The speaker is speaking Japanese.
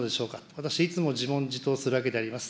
私、いつも自問自答するわけであります。